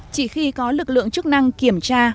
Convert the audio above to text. chỉ khi có lực lượng chức năng kiểm tra